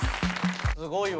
すごいわ。